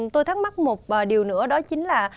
tôi thắc mắc một điều nữa đó chính là